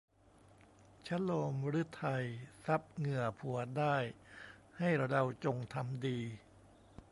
ชะโลมฤทัย ซับเหงื่อผัวได้ ให้เราจงทำดี